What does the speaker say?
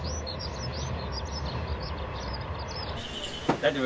大丈夫？